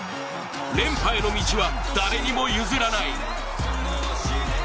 連覇への道は、誰にも譲らない。